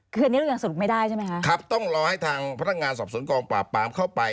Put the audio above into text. คืออันนี้เรายังสรุปไม่ได้ใช่ไหมคะครับต้องรอให้ทางพนักงานสอบสวนกองปราบปามเข้าไป